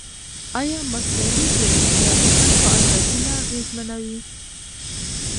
ایا مصنوعي ځیرکتیا د خلکو ازادي نه اغېزمنوي؟